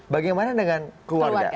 bagaimana dengan keluarga